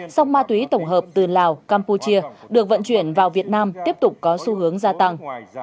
song ma túy tổng hợp từ lào campuchia được vận chuyển vào việt nam tiếp tục có xu hướng gia tăng